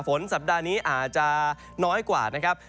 ฝนสัปดาห์นี้อาจจะน้อยกว่านะครับ